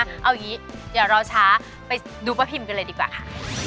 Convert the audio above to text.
เอาอย่างนี้อย่ารอช้าไปดูป้าพิมกันเลยดีกว่าค่ะ